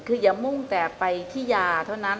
คืออย่ามุ่งแต่ไปที่ยาเท่านั้น